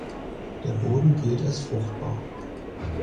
Der Boden gilt als fruchtbar.